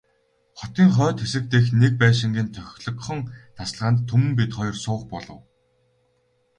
Хотын хойд хэсэг дэх нэг байшингийн тохилогхон тасалгаанд Түмэн бид хоёр суух болов.